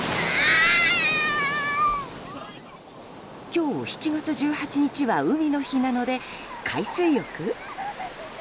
今日７月１８は海の日なので海水浴？